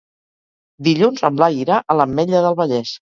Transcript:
Dilluns en Blai irà a l'Ametlla del Vallès.